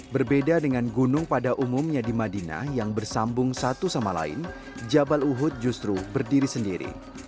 berbeda dengan gunung pada umumnya di madinah yang bersambung satu sama lain jabal uhud justru berdiri sendiri